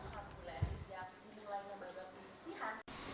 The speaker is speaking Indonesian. pemain pro dan pemain amatir saling bertarung untuk menjadi yang terbaik